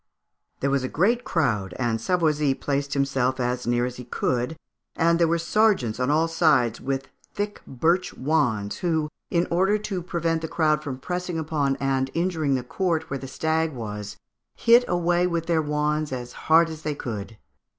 There was a great crowd, and Savoisy placed himself as near as he could, and there were sergeants on all sides with thick birch wands, who, in order to prevent the crowd from pressing upon and injuring the court where the stag was, hit away with their wands as hard as they could.